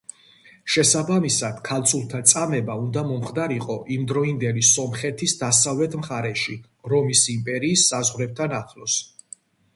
შესაბამისად, ქალწულთა წამება უნდა მომხდარიყო იმდროინდელი სომხეთის დასავლეთ მხარეში, რომის იმპერიის საზღვრებთან ახლოს.